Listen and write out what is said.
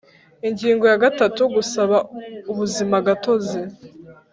Ingingo ya gatatu Gusaba ubuzimagatozi